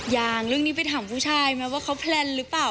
ยังเรื่องนี้ไปถามผู้ชายไหมว่าเขาแพลนหรือเปล่า